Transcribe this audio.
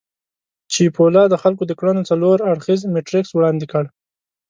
چیپولا د خلکو د کړنو څلور اړخييز میټریکس وړاندې کړ.